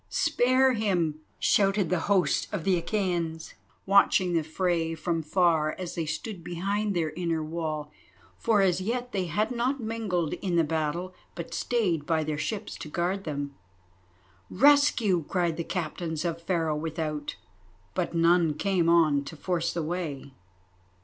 "Spare him!" shouted the host of the Achæans, watching the fray from far, as they stood behind their inner wall, for as yet they had not mingled in the battle but stayed by their ships to guard them. "Rescue!" cried the Captains of Pharaoh without, but none came on to force the way.